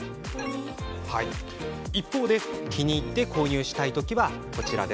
一方で、気に入って購入したい時は、こちら。